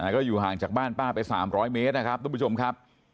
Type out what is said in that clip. ก็อยู่ห่างจากบ้านป้าไป๓๐๐เมตรนะครับทุกผู้ชมครับ